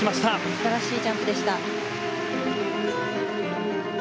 素晴らしいジャンプでした。